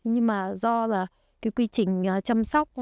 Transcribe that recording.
nhưng mà do là cái quy trình chăm sóc